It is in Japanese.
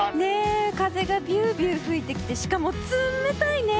風がビュービュー吹いてきてしかも冷たいね。